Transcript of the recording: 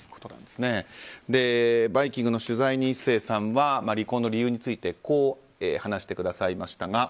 「バイキング」の取材に壱成さんは離婚の理由についてこう話してくださいましたが。